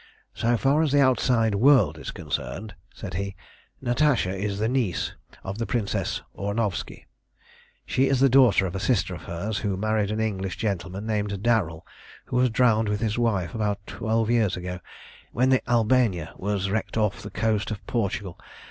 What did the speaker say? "So far as the outside world is concerned," said he, "Natasha is the niece of the Princess Ornovski. She is the daughter of a sister of hers, who married an English gentleman, named Darrel, who was drowned with his wife about twelve years ago, when the Albania was wrecked off the coast of Portugal.